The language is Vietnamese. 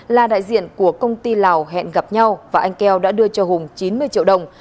là đại diện của công ty lào hẹn gặp nhau và anh keo đã đưa cho hùng chín mươi triệu đồng